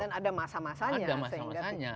dan ada masa masanya